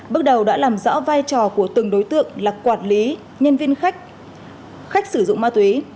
bước đầu đã làm rõ vai trò của từng đối tượng là quản lý nhân viên khách sử dụng ma túy